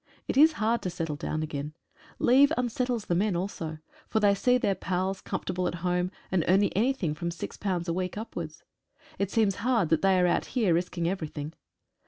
It is hard to settle down again. Leave unsettles the men also, for they see their pals comfortable at home, and earning anything from £6 a week upwards. It seems hard that they are out here risking everything.